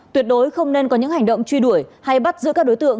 tuyệt đối không nên có những hành động truy đuổi hay bắt giữa các đối tượng